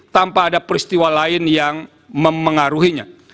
tanpa ada peristiwa lain yang memengaruhinya